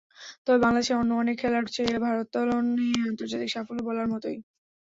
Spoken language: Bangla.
তবে বাংলাদেশের অন্য অনেক খেলার চেয়ে ভারোত্তোলনে আন্তর্জাতিক সাফল্য বলার মতোই।